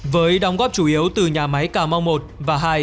với đóng góp chủ yếu từ nhà máy cà mau một và hai